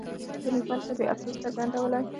د نېپال ښځې افسوس څرګندولی.